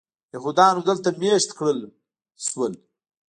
یهودیانو دلته مېشت کړل شول.